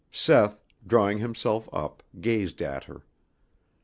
Seth, drawing himself up, gazed at her.